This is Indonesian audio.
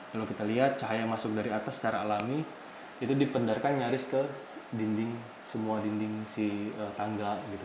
kalau kita lihat cahaya yang masuk dari atas secara alami itu dipendarkan nyaris ke dinding semua dinding si tangga gitu